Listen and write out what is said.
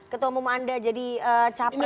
ketua umum anda jadi capres